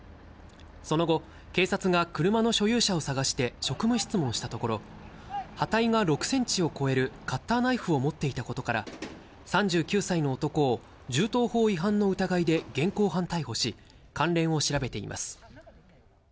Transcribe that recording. その後、警察が車の所有者を捜して職務質問したところ、刃体が６センチを超えるカッターナイフを持っていたことから、３９歳の男を、銃刀法違反の疑いで現行犯逮捕し、関連を調べています。